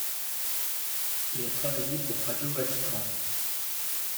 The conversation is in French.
Il a travaillé pour Radio Vatican.